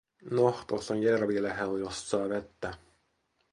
"Noh, tos on järvi lähel, jost saa vettä.